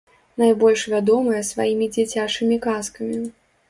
Найбольш вядомая сваімі дзіцячымі казкамі.